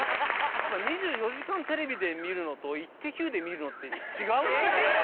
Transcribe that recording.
『２４時間テレビ』で見るのと『イッテＱ！』で見るのって違うね。